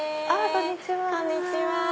こんにちは。